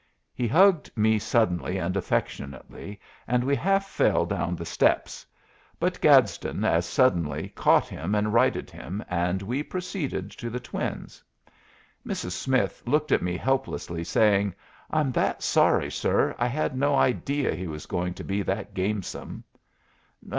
He hugged me suddenly and affectionately, and we half fell down the steps. But Gadsden as suddenly caught him and righted him, and we proceeded to the twins. Mrs. Smith looked at me helplessly, saying: "I'm that sorry, sir! I had no idea he was going to be that gamesome."